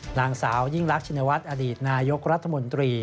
นางสาวยิ่งรักชินวัฒน์อดีตนายกรัฐมนตรี